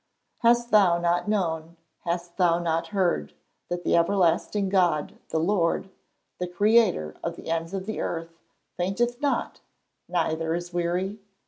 [Verse: "Hast thou not known, hast thou not heard, that the everlasting God, the Lord, the Creator of the ends of the earth, fainteth not, neither is weary?